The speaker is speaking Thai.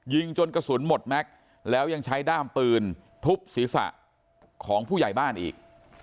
ยิงจนกระสุนหมดแม็กซ์แล้วยังใช้ด้ามปืนทุบศีรษะของผู้ใหญ่บ้านอีก